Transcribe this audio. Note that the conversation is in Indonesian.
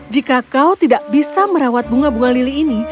jika kau tidak bisa merawat bunga bunga lili ini